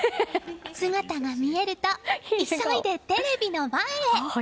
姿が見えると急いでテレビの前へ。